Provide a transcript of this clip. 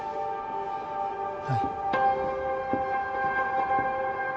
はい。